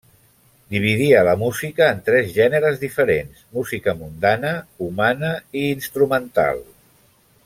Dividia la música en tres gèneres diferents: música mundana, humana i instrumental.